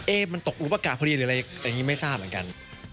มันตกหรือประกาศพอดีหรืออะไรอย่างนี้ไม่ทราบเหมือนกัน